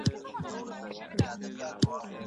دوکاندار د دیني ارزښتونو ساتنه کوي.